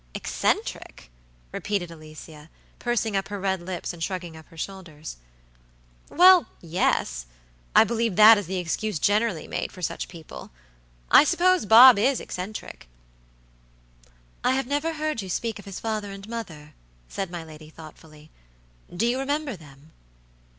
"Eccentric!" repeated Alicia, pursing up her red lips and shrugging up her shoulders. "Well, yesI believe that is the excuse generally made for such people. I suppose Bob is eccentric." "I have never heard you speak of his father and mother," said my lady, thoughtfully. "Do you remember them?"